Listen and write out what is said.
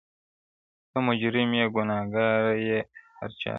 ته مجرم یې ګناکاره یې هر چاته,